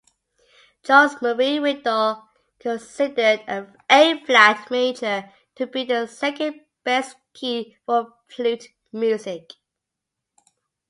Charles-Marie Widor considered A-flat major to be the second best key for flute music.